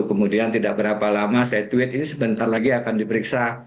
kemudian tidak berapa lama saya tweet ini sebentar lagi akan diperiksa